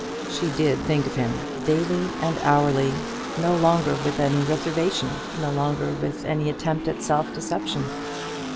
She did think of him, daily and hourly; no longer with any reservation, no longer with any attempt at self deception.